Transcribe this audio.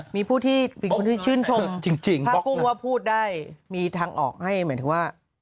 มีผู้ที่ชื่นชมภาครัวพูดได้มีทางออกให้เหมือนที่ว่า